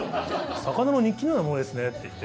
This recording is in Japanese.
「魚の日記のようなものですね」って言って。